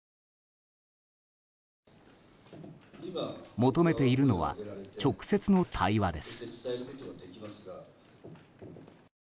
求めているのは直接の対話です。